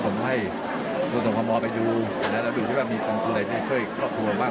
แต่ผมก็เสียใจตรงนี้ไงมันไม่น่าจะเบิดขึ้นจริง